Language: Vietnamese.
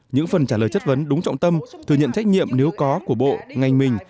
những phần trả lời chất vấn đúng trọng tâm thừa nhận trách nhiệm nếu có của bộ ngành mình